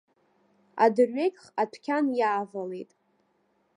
Адырҩегьх адәқьан иаавалеит.